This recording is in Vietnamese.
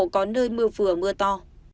có nơi mưa vừa mưa to